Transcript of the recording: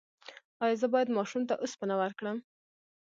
ایا زه باید ماشوم ته اوسپنه ورکړم؟